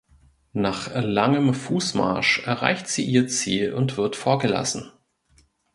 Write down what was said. Nach langem Fußmarsch erreicht sie ihr Ziel und wird vorgelassen.